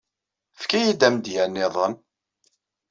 Efk-iyi-d amedya-nniḍen.